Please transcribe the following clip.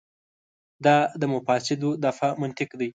دا د مفاسدو دفع منطق دی.